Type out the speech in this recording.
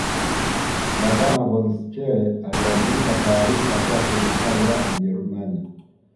Gavana von Schele aliandika taarifa kwa serikali ya Ujerumani